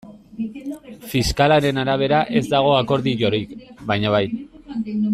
Fiskalaren arabera ez dago akordiorik, baina bai.